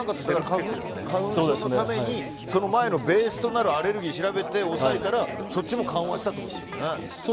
花粉症のためにその前のベースとなるアレルギーを調べて抑えたらそっちも緩和したってことですもんね。